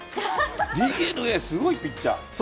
ＤｅＮＡはすごい、ピッチャー。